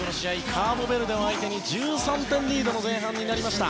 カーボベルデを相手に１３点リードの前半になりました。